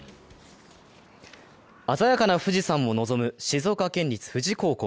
鮮やかな富士山を望む静岡県立富士高校。